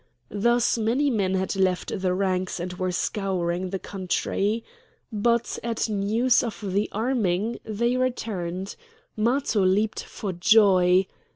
Thus many men had left the ranks and were scouring the country. But at news of the arming they returned; Matho leaped for joy.